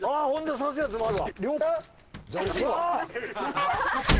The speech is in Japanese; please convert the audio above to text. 刺すやつもあるわ。